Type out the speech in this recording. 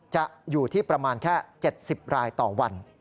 จะอยู่ที่ประมาณแค่๗๐รายต่อวัน